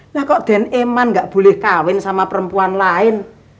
nah kok den eman gak boleh kawin sama perempuan lain